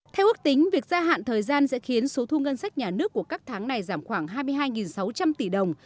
theo ước tính việc gia hạn thời gian sẽ khiến số thu ngân sách nhà nước của các tháng này giảm khoảng hai mươi hai sáu trăm linh tỷ đồng